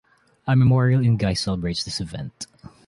A memorial in Guise celebrates this event.